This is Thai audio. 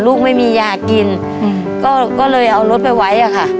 ไม่มียากินก็เลยเอารถไปไว้อะค่ะ